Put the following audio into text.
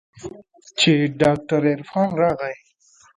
چې ډاکتر عرفان راغى.